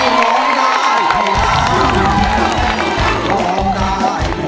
ร้องได้ให้ล้าน